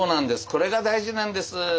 これが大事なんです。